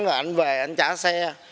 rồi anh về anh trả xe